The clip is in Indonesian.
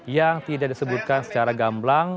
yang tidak disebutkan secara gamblang